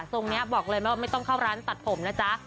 ตรงนี้บอกเลยว่าไม่ต้องเข้าร้านตัดผมนะจ๊ะ